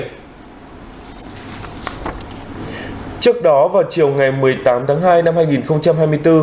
trước đó vào chiều ngày một mươi tám tháng hai năm hai nghìn hai mươi bốn